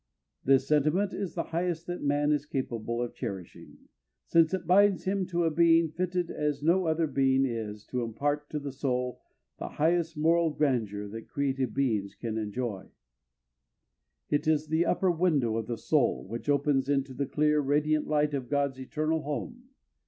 This sentiment is the highest that man is capable of cherishing, since it binds him to a being fitted as no other being is to impart to the soul the highest moral grandeur that created beings can enjoy. It is the upper window of the soul, which opens into the clear, radiant light of God's eternal home.